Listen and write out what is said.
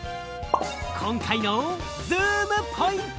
今回のズームポイント！